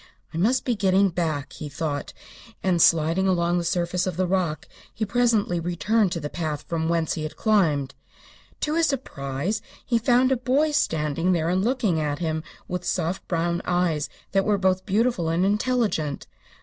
"I must be getting back," he thought, and sliding down the surface of the rock he presently returned to the path from whence he had climbed. To his surprise he found a boy standing there and looking at him with soft brown eyes that were both beautiful and intelligent.